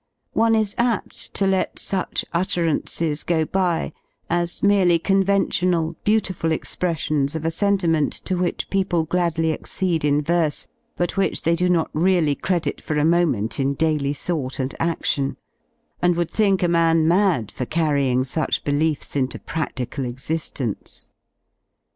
One is apt to let such utterances go by as merely i ' conventional, beautiful expressions of a sentiment to which people gladly accede in verse, but which they do not really credit for a moment in daily thought and adion : and would think a man mad for carrying such beliefs into pradlical exigence.